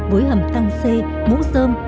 với hầm tăng xê mũ sơm